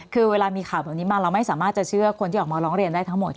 คือเวลามีข่าวแบบนี้มาเราไม่สามารถจะเชื่อคนที่ออกมาร้องเรียนได้ทั้งหมด